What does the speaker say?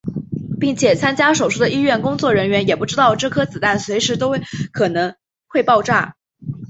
并且参加手术的医院工作人员也不知道这颗子弹随时都可能会爆炸。